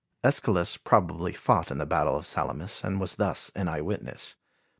Æschylus probably fought in the battle of Salamis and was thus an eyewitness.